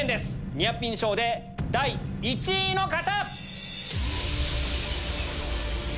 ニアピン賞で第１位の方！